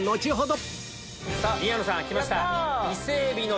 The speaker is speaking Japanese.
宮野さんきました。